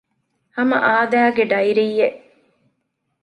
ހަމަ އާދައިގެ ޑައިރީއެއް